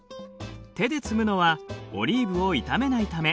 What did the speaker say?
手で摘むのはオリーブを傷めないため。